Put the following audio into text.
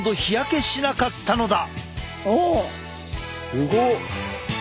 すごっ！